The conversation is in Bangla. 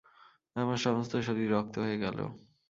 আমার সমস্ত শরীর শক্ত হয়ে গেল।